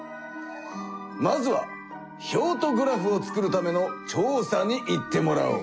まずは表とグラフを作るための調査に行ってもらおう！